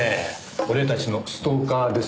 俺たちのストーカーですか？